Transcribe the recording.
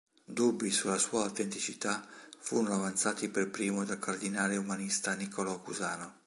Dubbi sulla sua autenticità furono avanzati per primo dal cardinale umanista Nicolò Cusano.